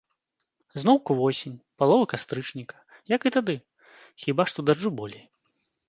Зноўку восень, палова кастрычніка, як і тады, хіба што дажджу болей.